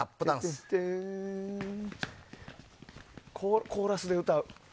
そしてコーラスで歌う。